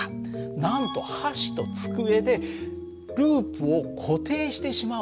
なんと箸と机でループを固定してしまおうと。